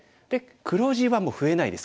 黒地はもう増えないです